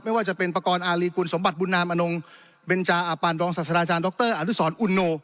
ไม่ว่าจะเป็นประกอบอารีคุณสมบัติบุญนามอนงเบนจาอาปานรองศาสตราจารย์ดรอนุสรอุโน